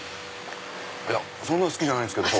そんな好きじゃないですけど。